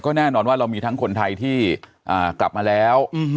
แน่นอนว่าเรามีทั้งคนไทยที่กลับมาแล้ว